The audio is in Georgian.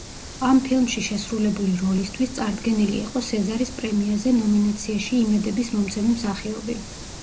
ამ ფილმში შესრულებული როლისთვის წარდგენილი იყო სეზარის პრემიაზე ნომინაციაში იმედების მომცემი მსახიობი.